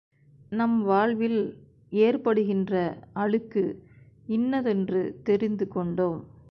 நம் வாழ்வில் ஏற்படுகின்ற அழுக்கு இன்னதென்று தெரிந்து கொண்டோம்.